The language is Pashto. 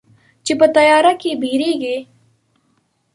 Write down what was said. چې په تیاره کې بیریږې